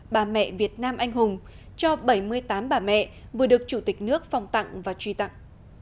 bà mẹ việt nam anh hùng cho bảy mươi tám bà mẹ vừa được chủ tịch nước phòng tặng và truy tặng